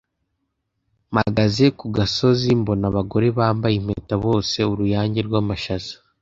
Mpagaze ku gasozi mbona abagore bambaye impeta bose-Uruyange rw'amashaza.